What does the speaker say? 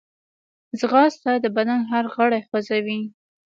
ځغاسته د بدن هر غړی خوځوي